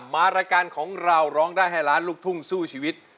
มารายการของเราร้องได้ให้ล้านลูกทุ่งสู้ชีวิต